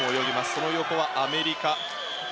その横はアメリカ。